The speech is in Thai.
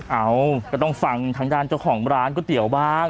เอ้าก็ต้องฟังทางด้านเจ้าของร้านก๋วยเตี๋ยวบ้าง